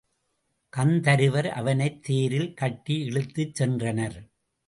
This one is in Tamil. கந்தருவர் அவனைத் தேரில் கட்டி இழுத்துச் சென்றனர்.